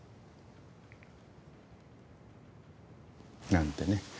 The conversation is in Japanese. なんてね